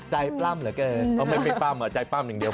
ใจปลำเหรอเกินไม่เป็นปลำอะใจปลำอย่างเดียวพอ